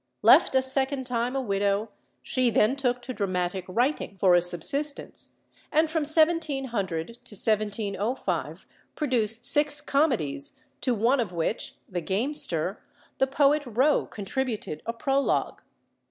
Left a second time a widow, she then took to dramatic writing for a subsistence, and from 1700 to 1705 produced six comedies, to one of which "The Gamester" the poet Rowe contributed a prologue.